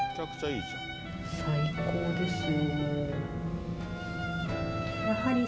最高ですよー。